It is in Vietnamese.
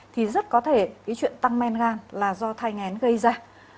thì rất có thể cái chuyện tăng men gan là do thai ngén gây ra